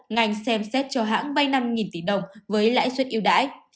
ngành xem xét cho hãng bay năm tỷ đồng với lãi suất yêu đái